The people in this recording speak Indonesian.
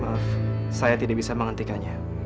maaf saya tidak bisa menghentikannya